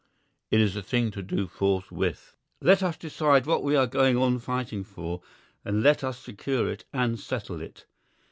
It is a thing to do forthwith. Let us decide what we are going on fighting for, and let us secure it and settle it.